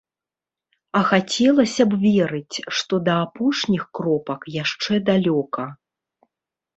А хацелася б верыць, што да апошніх кропак яшчэ далёка.